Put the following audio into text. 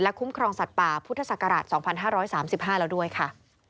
คุ้มครองสัตว์ป่าพุทธศักราช๒๕๓๕แล้วด้วยค่ะ